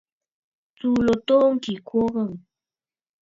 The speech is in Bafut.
Tsùu ló too ŋkì ɨ kwo a aghəŋə̀.